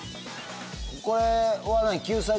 これは何？